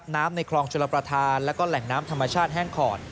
ในคลองชลประธานแล้วก็แหล่งน้ำธรรมชาติแห้งขอด